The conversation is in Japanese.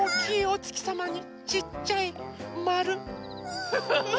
おつきさまにちっちゃいまる。